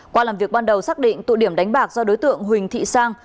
qua làm việc ban đầu xác định tụ điểm đánh bạc do đối tượng huỳnh thị sang